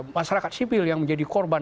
masyarakat sipil yang menjadi korban